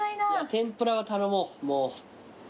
天ぷらは頼もうもう。